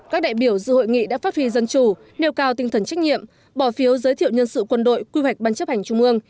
các đại biểu dự hội nghị đã phát huy dân chủ nêu cao tinh thần trách nhiệm bỏ phiếu giới thiệu nhân sự quân đội quy hoạch ban chấp hành trung ương